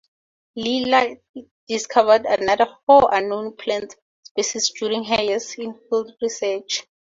Lilla discovered another four unknown plant species during her years in field research.